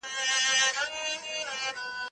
بلې خونې ته لاړ شئ چیرې چې ننګونه وي.